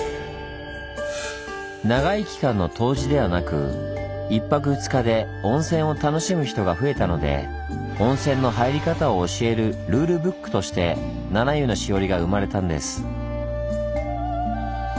長い期間の湯治ではなく１泊２日で温泉を楽しむ人が増えたので温泉の入り方を教えるルールブックとして「七湯の枝折」が生まれたんです。